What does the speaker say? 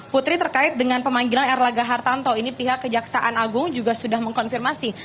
putri terkait dengan pemanggilan erlangga hartanto ini pihak kejaksaan agung juga sudah mengkonfirmasi